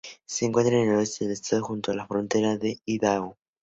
Se encuentra al oeste del estado, junto a la frontera con Idaho.